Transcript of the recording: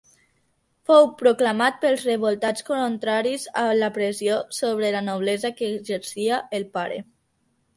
Fou proclamat pels revoltats contraris a la pressió sobre la noblesa que exercia el pare.